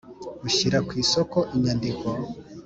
Ushyira ku isoko inyandiko